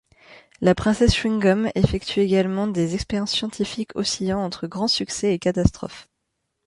La princesse Chewing-Gum effectue également des expériences scientifiques oscillant entre grands succès et catastrophes.